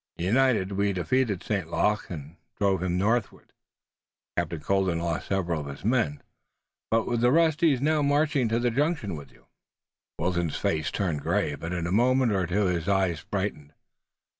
United, we defeated St. Luc and drove him northward. Captain Colden lost several of his men, but with the rest he is now marching to the junction with you." Wilton's face turned gray, but in a moment or two his eyes brightened.